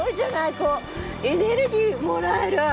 こう、エネルギーもらえる。